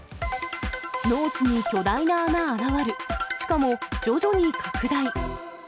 農地に巨大な穴現る、しかも徐々に拡大。